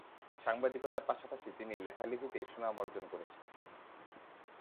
সাংবাদিকতার পাশাপাশি তিনি লেখালেখিতে সুনাম অর্জন করেছেন।